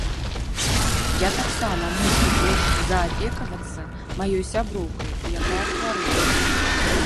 Я таксама мушу больш заапекавацца маёй сяброўкай, якая хварэе.